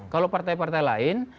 kalau partai partai lain